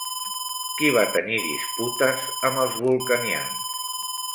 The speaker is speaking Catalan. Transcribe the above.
Qui va tenir disputes amb els vulcanians?